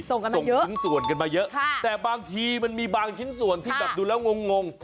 ส่งชิ้นส่วนกันมาเยอะแต่บางทีมันมีบางชิ้นส่วนที่แบบดูแล้วงง